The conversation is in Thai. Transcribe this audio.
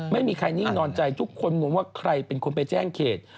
ไม่มีใครนิ่งนอนใจทุกคนงงว่าใครเป็นคนไปแจ้งเขต